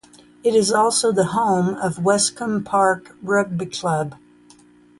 It is also the home of Westcombe Park Rugby Club.